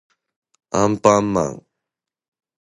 あんぱんまん